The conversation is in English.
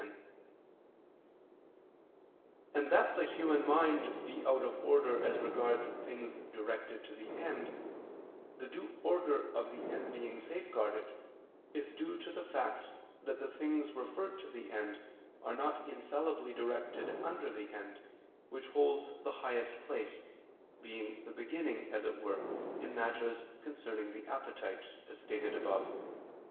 10); and that the human mind be out of order as regards things directed to the end, the due order of the end being safeguarded, is due to the fact that the things referred to the end are not infallibly directed under the end, which holds the highest place, being the beginning, as it were, in matters concerning the appetite, as stated above (Q.